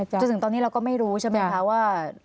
จนถึงตอนนี้เราก็ไม่รู้ใช่ไหมคะว่า